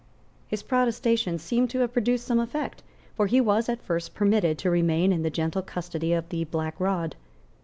His protestations seem to have produced some effect; for he was at first permitted to remain in the gentle custody of the Black Rod.